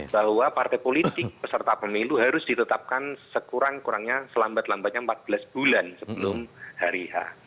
bahwa partai politik peserta pemilu harus ditetapkan sekurang kurangnya selambat lambatnya empat belas bulan sebelum hari h